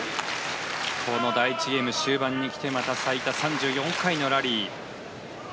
この第１ゲーム終盤にきてまた最多、３４回のラリー。